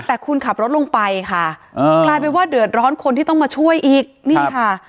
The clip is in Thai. แต่คุณขับรถลงไปค่ะอ่ากลายเป็นว่าเดือดร้อนคนที่ต้องมาช่วยอีกนี่ค่ะ